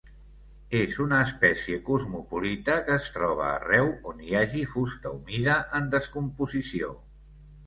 És una espècie cosmopolita que es troba arreu on hi hagi fusta humida en descomposició.